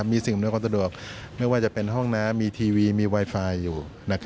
ไม่ว่าจะเป็นห้องมีทีวีมีไวไฟอยู่